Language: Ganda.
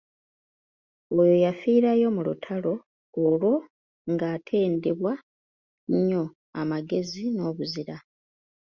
Oyo yafiirayo mu lutalo olwo ng'atendebwa nnyo amagezi n'obuzira.